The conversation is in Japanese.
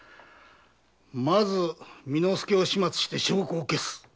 まず巳之助を始末して証拠を消す。